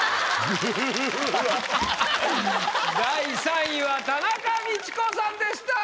第３位は田中道子さんでした。